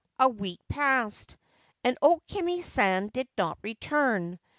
A week passed, and O Kimi San did not return.